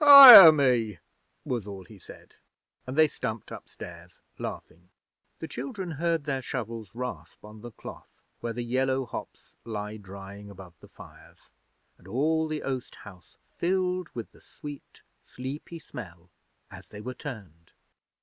'Hire me!' was all he said, and they stumped upstairs laughing. The children heard their shovels rasp on the cloth where the yellow hops lie drying above the fires, and all the oast house filled with the sweet, sleepy smell as they were turned.